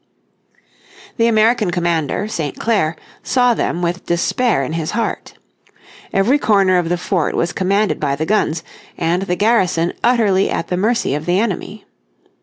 The American commander, St. Clair, saw them with despair in his heart. Every corner of the fort was commanded by the guns, and the garrison utterly at the mercy of the enemy.